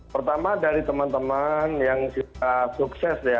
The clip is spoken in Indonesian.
pertama dari teman teman yang sudah sukses ya